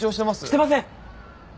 してません。